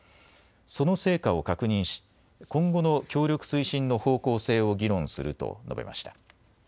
その成果を確認し今後の協力推進の方向性を議論すると述べました。